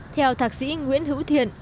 theo thạc sĩ nguyễn hữu thiện